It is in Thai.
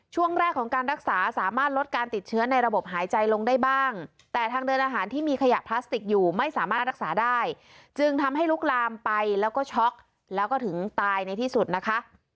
ช่วงแรกของการรักษาสามารถลดการติดเชื้อในระบบหายใจลงได้บ้างแต่ทางเดินอาหารที่มีขยะพลาสติกอยู่ไม่สามารถรักษาได้จึงทำให้ลุกลามไปแล้วก็ช็อกแล้วก็ถึงตายในที่สุดนะคะ